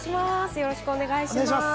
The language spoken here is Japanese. よろしくお願いします。